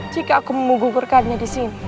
jika aku memunggungkurnya disini